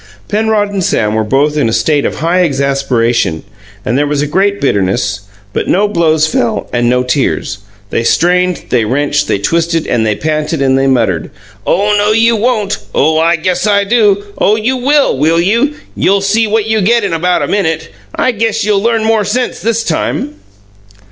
Penrod and Sam were both in a state of high exasperation, and there was great bitterness; but no blows fell and no tears. They strained, they wrenched, they twisted, and they panted and muttered: "Oh, no, you don't!" "Oh, I guess I do!" "Oh, you will, will you?" "You'll see what you get in about a minute!" "I guess you'll learn some sense this time!"